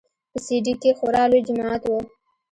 په سي ډي کښې خورا لوى جماعت و.